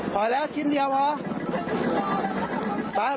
พอแล้วชิ้นเดียวเหรอ